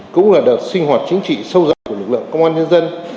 cũng là đợt sinh hoạt chính trị sâu rộng của lực lượng công an nhân dân